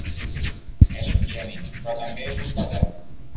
És un geni, però també és un pesat.